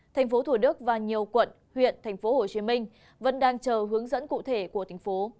thành phố thủ đức và nhiều quận huyện tp hcm vẫn đang chờ hướng dẫn cụ thể của thành phố